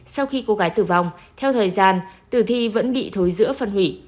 sau khi cô gái tử vong theo thời gian tử thi vẫn bị thối giữa phân hủy